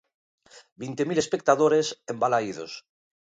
Vinte mil espectadores en Balaídos.